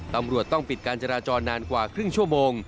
ตำรวจต้องปิดการจราจรนานกว่าครึ่งชั่วโมง